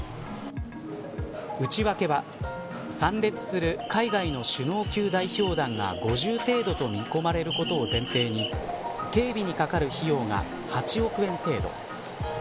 内訳は参列する海外の首脳級代表団が５０程度と見込まれることを前提に警備にかかる費用が８億円程度。